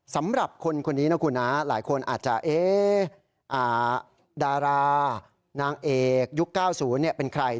สำหรับคนคนนี้นะคุณนะหลายคนอาจจะดารานางเอกยุค๙๐เป็นใคร